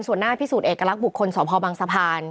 ส่วนหน้าพิสูจน์เอกลักษณ์บุคคลสพบังสะพาน